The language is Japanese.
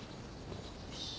よし。